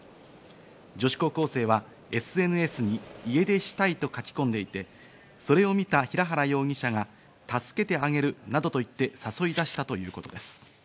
女子高校生はＳＮＳに家出したいと書き込んでいて、それを見た平原容疑者が助けてあげるなどと言って誘い出したということです。